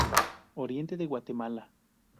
Oriente de Guatemala.